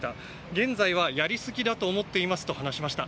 現在は、やりすぎだと思っていますと話しました。